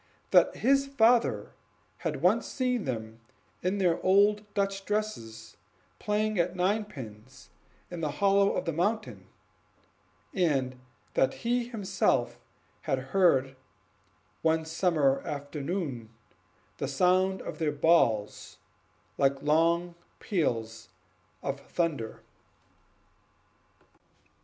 That his father had once seen them in their old Dutch dresses playing at ninepins in a hollow of the mountain; and that he himself had heard, one summer afternoon, the sound of their balls like distant peals of thunder.